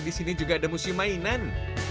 di sini juga ada museum mainan